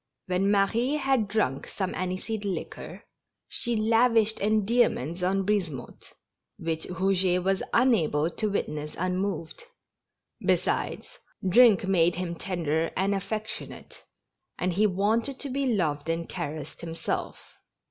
When Marie had drunk some aniseed liquor, she lavished endearments on Brisemotte which Eouget was unable to witness unmoved; besides, drink made him tender and affectionate, and he wanted to be loved and caressed himself.